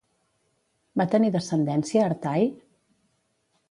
Va tenir descendència Artai?